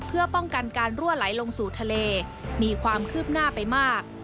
เพื่อป้องกันการรั่วไหลลงสู่ทะเลมีความคืบหน้าไปมาก